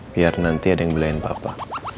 biar nanti ada yang belain papa